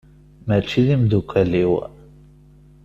Mačči d imdukal-iw.